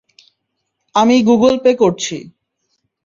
আমি Google Pay করছি।